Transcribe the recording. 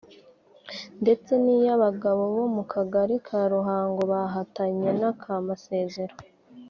ndetse n’iy’abagabo bo mu kagari ka Ruhango bahatanye n’aka Musezero